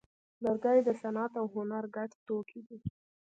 لرګی د صنعت او هنر ګډ توکی دی.